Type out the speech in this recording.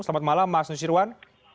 selamat malam mas nusyirwan